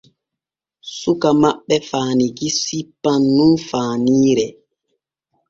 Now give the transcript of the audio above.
Suka maɓɓe faanigi sippan nun faaniire.